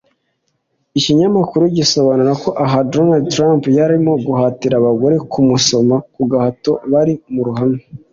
Iki kinyamakuru gisobanura ko aha Donald Trump yarimo guhatira abagore kumusoma kugahato bari mu ruhame